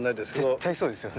絶対そうですよね。